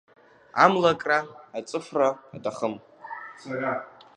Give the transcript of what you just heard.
Амлакра ацыфа аҭахым.